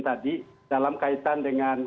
tadi dalam kaitan dengan